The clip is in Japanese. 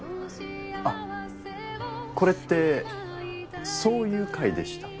あっこれってそういう会でした？